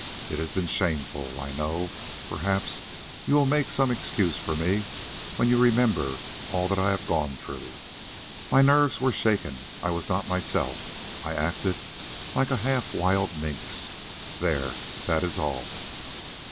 It has been shameful, I know; perhaps you will make some excuse for me when you remember all that I have gone through. My nerves were shaken, I was not myself—I acted like a half wild minx. There, that is all."